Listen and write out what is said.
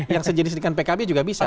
yang sejenis dengan pkb juga bisa